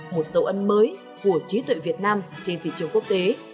một dấu ân mới của trí tuệ việt nam trên thị trường quốc tế